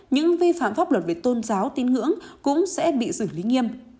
những vi phạm pháp luật về tôn giáo tín ngưỡng cũng sẽ bị giữ lý nghiêm